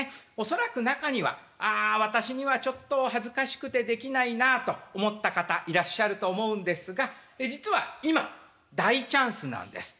恐らく中にはああ私にはちょっと恥ずかしくてできないなあと思った方いらっしゃると思うんですが実は今大チャンスなんです。